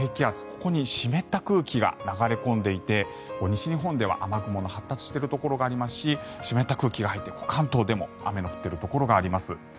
ここに湿った空気が流れ込んでいて西日本では雨雲の発達しているところがありますし湿った空気が入って関東でも雨の降っているところがあります。